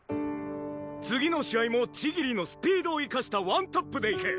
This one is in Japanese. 次の試合も千切のスピードを生かしたワントップでいく。